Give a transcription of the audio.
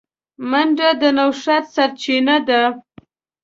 منډه د نوښت سرچینه ده